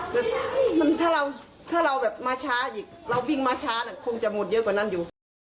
แต่ถ้าเราแบบมาช้าอีกเราวิ่งมาช้าคงจะหมดเยอะกว่านั้นอยู่